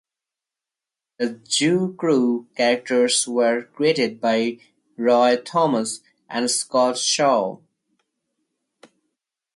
The Zoo Crew characters were created by Roy Thomas and Scott Shaw.